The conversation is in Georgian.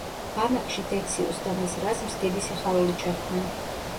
ბანაკში დეციუსს და მის რაზმს დიდი სიხარულით შეხვდნენ.